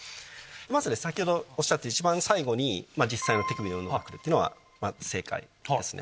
まず先ほどおっしゃった一番最後に実際の手首の運動が来るっていうのは正解ですね。